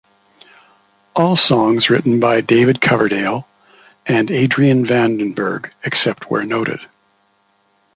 All songs written by David Coverdale and Adrian Vandenberg except where noted.